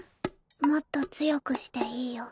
もっと強くしていいよ。